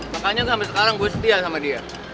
makanya gue sampe sekarang gue setia sama dia